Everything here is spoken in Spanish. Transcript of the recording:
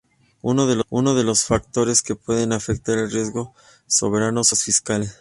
Uno de los factores que pueden afectar el riesgo soberano son los riesgos fiscales.